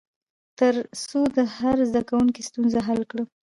تر څو د هر زده کوونکي ستونزه حل کړم.